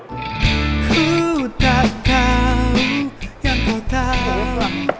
aku tak tahu yang kau tahu